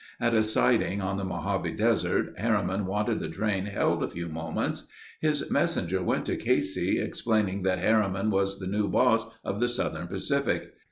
At a siding on the Mojave Desert, Harriman wanted the train held a few moments. His messenger went to Casey, explaining that Harriman was the new boss of the Southern Pacific.